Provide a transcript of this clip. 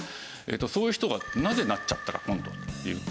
そういう人がなぜなっちゃったか今度っていうと。